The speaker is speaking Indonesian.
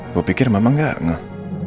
gue pikir mama gak ngeh